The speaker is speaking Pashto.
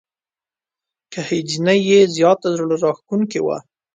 ګهیځنۍ یې زياته زړه راښکونکې وه.